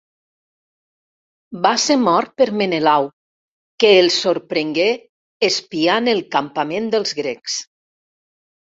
Va ser mort per Menelau, que el sorprengué espiant el campament dels grecs.